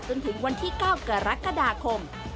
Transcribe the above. จนถึงวันที่๙กรกฎาคม